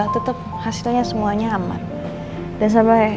tetep hasilnya semuanya aman